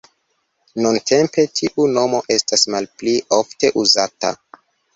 Nuntempe tiu nomo estas malpli ofte uzata.